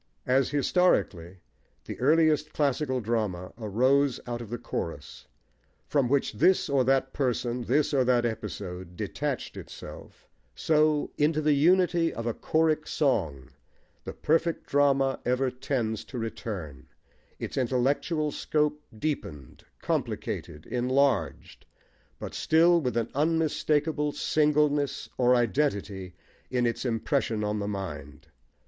As, historically, the earliest classic drama arose out of the chorus, from which this or that person, this or that episode, detached itself, so, into the unity of a choric song the perfect drama ever tends to return, its intellectual scope deepened, complicated, enlarged, but still with an unmistakable singleness, or identity, in its impression on the mind.